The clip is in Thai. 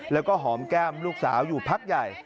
แล้วก็หอมแก้มลูกสาวอยู่พักใหญ่